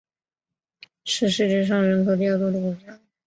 是世界上人口第二多的国家。